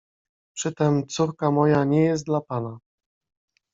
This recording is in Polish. "Przytem córka moja nie jest dla pana."